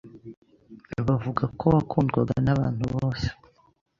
Bavuga ko wakundwaga na bantu bose